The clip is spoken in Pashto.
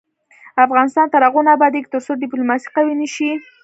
افغانستان تر هغو نه ابادیږي، ترڅو ډیپلوماسي قوي نشي.